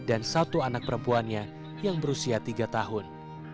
satu anak perempuannya yang berusia tiga tahun